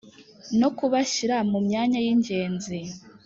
no kubashyira mu myanya y ingenzi